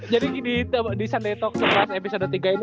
jadi di sunday talk sokrat episode tiga ini